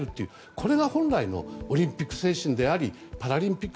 これが本来のオリンピック精神でありパラリンピック